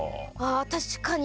確かに。